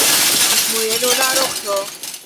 په ازموینو ناروغ شو.